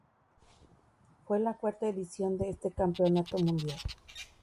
Fue la cuarta edición de este campeonato mundial.